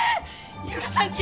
許さんき！